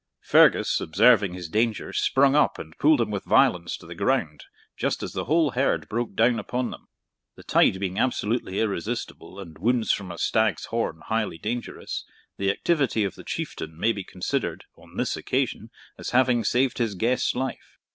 Fergus, observing his danger, sprung up and pulled him with violence to the ground, just as the whole herd broke down upon them. The tide being absolutely irresistible, and wounds from a stag's horn highly dangerous, the activity of the Chieftain may be considered, on this occasion, as having saved his guest's life.